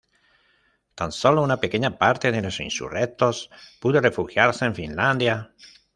Tan sólo una pequeña parte de los insurrectos pudo refugiarse en Finlandia.